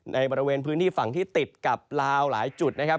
ในบริเวณพื้นที่ฝั่งที่ติดกับลาวหลายจุดนะครับ